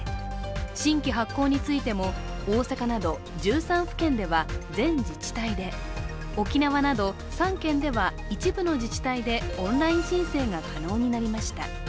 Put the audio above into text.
新規発行についても大阪など１３府県では全自治体で沖縄など３県では一部の自治体でオンライン申請が可能になりました。